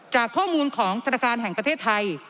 จากข้อมูลของธนาคารแห่งประเทศไทย